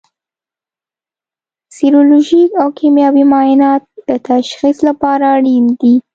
سیرولوژیک او کیمیاوي معاینات د تشخیص لپاره اړین دي.